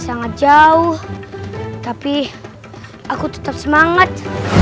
sangat jauh tapi aku tetap semangat